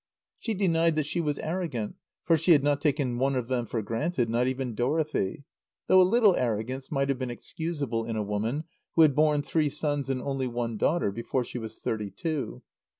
She denied that she was arrogant, for she had not taken one of them for granted, not even Dorothy; though a little arrogance might have been excusable in a woman who had borne three sons and only one daughter before she was thirty two.